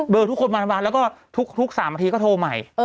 เบอร์ทุกคนมาแล้วก็ทุก๓สันทีก็โทรใหม่